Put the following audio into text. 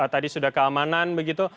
tadi sudah keamanan begitu